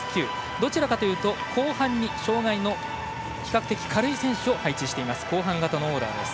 どちらかというと後半に障がいの軽い選手を配置しています。